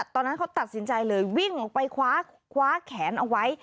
ตอนนั้นเขาตัดสินใจเลยวิ่งออกไปคว้าแขนเอาไว้